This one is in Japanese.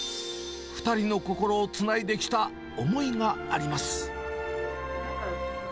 ２人の心をつないできた思いがあります。